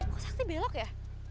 kok sakti belok ya